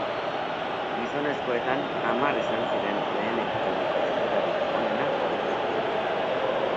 Gizonezkoetan hamar izan ziren lehen ekitaldiko denborarik onena hobetu zutenak.